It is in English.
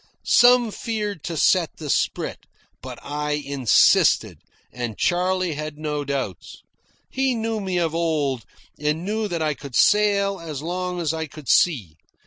Some feared to set the sprit; but I insisted, and Charley had no doubts. He knew me of old, and knew that I could sail as long as I could see.